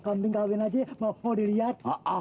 lu kambing kawin aja mau diliat